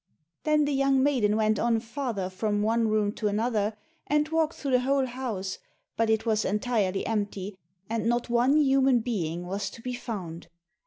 Then the young maiden went on farther from one room to another, and walked through the whole house, but it was entirely empty and not one human being was to be found.